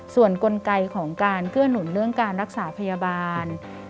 ส่วนกลไกของการเกื้อหนุนเรื่องการรักษาพยาบาล